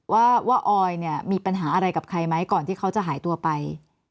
ว่าออยเนี่ยมีปัญหาอะไรกับใครไหมก่อนที่เขาจะหายตัวไป